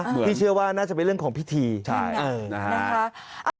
ด้านเดียวเหมือนน่าจะเป็นเรื่องของพิธีค่ะสี่หนักนะคะ